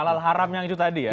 halal haram yang itu tadi ya